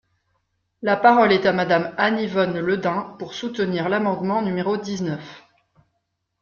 La parole est à Madame Anne-Yvonne Le Dain, pour soutenir l’amendement numéro dix-neuf.